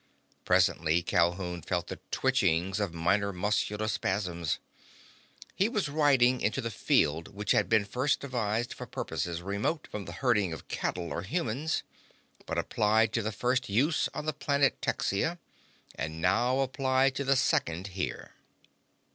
Presently Calhoun felt the twitchings of minor muscular spasms. He was riding into the field which had been first devised for purposes remote from the herding of cattle or humans, but applied to the first use on the planet Texia, and now applied to the second here.